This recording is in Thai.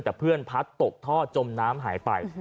แต่เพื่อนพัดตกท่อจมน้ำหายไป